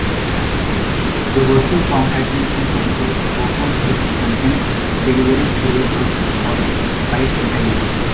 The Virtual Concatenation protocol performs its content delivery through a process called byte-interleaving.